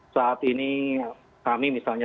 saat ini kami misalnya